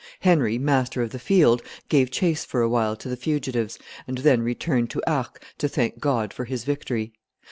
Henry, master of the field, gave chase for a while to the fugitives, and then returned to Arques to thank God for his victory.